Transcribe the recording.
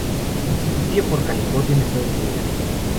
Se distribuye por California en Estados Unidos.